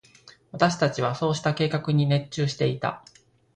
私達はそうした計画に熱中していた。